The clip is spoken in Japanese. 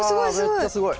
めっちゃすごい。